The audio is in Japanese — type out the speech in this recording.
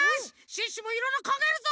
シュッシュもいろいろかんがえるぞ！